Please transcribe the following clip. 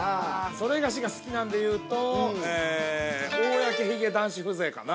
◆それがしが好きなんでいうとえー、公髭男子風情かな。